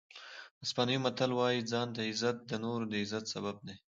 اسپانوي متل وایي ځان ته عزت د نورو د عزت سبب دی.